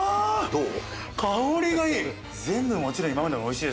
どう？